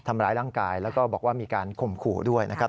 ทำร้ายร่างกายแล้วก็บอกว่ามีการข่มขู่ด้วยนะครับ